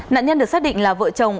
nạn nhân được xác định là vợ chồng